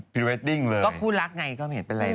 เวดดิ้งเลยก็คู่รักไงก็ไม่เห็นเป็นไร